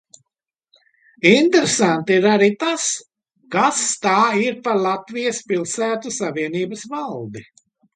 Interesanti ir arī tas, kas tā ir par Latvijas Pilsētu savienības valdi.